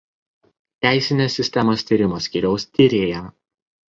Teisinės sistemos tyrimo skyriaus tyrėja.